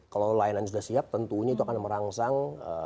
kalau layanan sudah siap tentunya itu akan merangsang